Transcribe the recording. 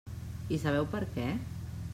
I sabeu per què?